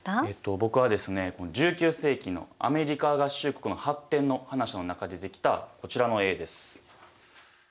僕はですね１９世紀のアメリカ合衆国の発展の話の中で出てきたこちらの絵です。